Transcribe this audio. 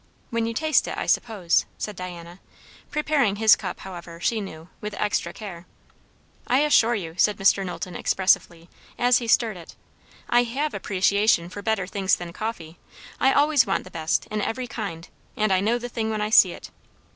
"When you taste it, I suppose," said Diana; preparing his cup, however, she knew, with extra care. "I assure you," said Mr. Knowlton expressively, as he stirred it, "I have appreciation for better things than coffee. I always want the best, in every kind; and I know the thing when I see it."